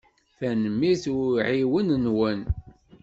Tanemmirt i uɛiwen-inem.